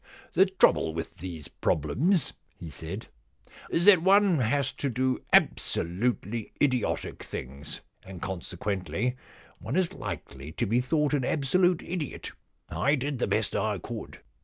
* The trouble with these problems,' he said, * is that one has to do absolutely idiotic things, and consequently one is likely to be thought an absolute idiot. I did the best I could.